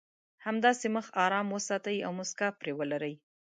همداسې مخ ارام وساتئ او مسکا پرې ولرئ.